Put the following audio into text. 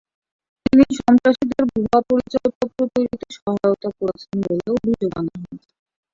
তিনি সন্ত্রাসীদের ভুয়া পরিচয়পত্র তৈরিতে সহায়তা করেছেন বলে অভিযোগ আনা হয়েছে।